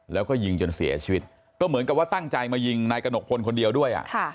แล้วก็ยิงจนเสียชีวิตก็เหมือนกับว่าตั้งใจมายิงนายกระหนกพลคนเดียวด้วย